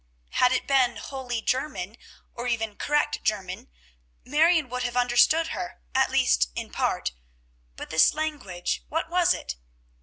Had it been wholly German, or even correct German, Marion would have understood her, at least in part; but this language, what was it?